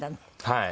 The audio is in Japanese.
はい。